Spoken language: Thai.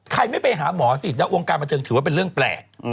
ใครไม่ไปหาหมอสิแล้ววงการมาเถิงถือว่าเป็นเรื่องแปลก